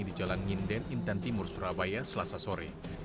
di jalan nginden intan timur surabaya selasa sore